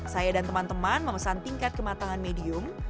saya dan teman teman memesan tingkat kematangan medium